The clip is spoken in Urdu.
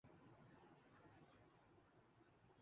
تاکہ ہمارے ماحول کی حسن برقرار رہے